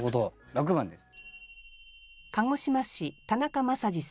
６番です。